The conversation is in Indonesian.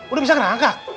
udah bisa ngerangkak